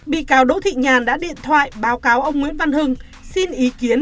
bị cáo đỗ thị nhàn đã điện thoại báo cáo ông nguyễn văn hưng xin ý kiến